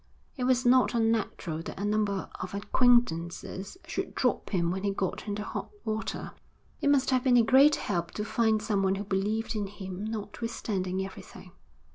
It was not unnatural that a number of acquaintances should drop him when he got into hot water.' 'It must have been a great help to find someone who believed in him notwithstanding everything.'